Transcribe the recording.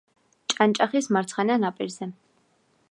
ჭანჭახის მარცხენა ნაპირზე.